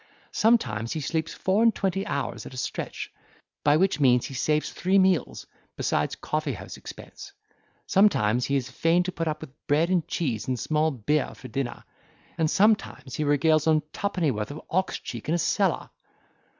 Sometimes he sleeps four and twenty hours at a stretch, by which means he saves three meals, besides coffee house expense. Sometimes he is fain to put up with bread and cheese and small beer for dinner; and sometimes he regales on twopennyworth of ox cheek in a cellar."